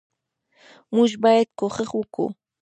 موږ باید کوښښ وکو